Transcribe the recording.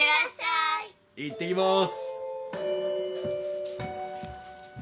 いってきます。